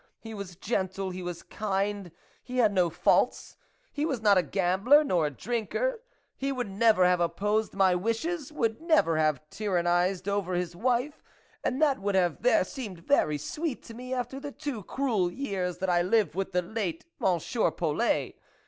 He was gentle, he was kind, he had no faults ; he was not a gambler, nor a drinker ; he would never have opposed my wishes, would never have tyrannised over his wife, and that would have seemed very sweet to me after the two cruel years that I lived with the late M. Polet.